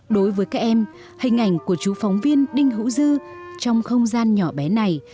đối với các em hình ảnh của chú phóng viên đinh hữu dư trong không gian nhỏ bé này